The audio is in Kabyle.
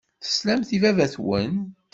Teslamt i baba-twent.